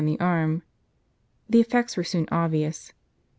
on the arm. The effects were soon obvious.